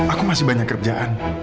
aku masih banyak kerjaan